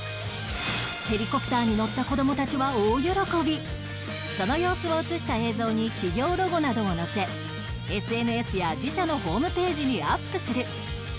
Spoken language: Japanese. ヘリコプターに乗ったその様子を映した映像に企業ロゴなどを載せ ＳＮＳ や自社のホームページにアップする